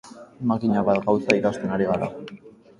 Makina bat gauza ikasten ari gara.